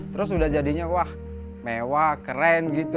terus udah jadinya wah mewah keren gitu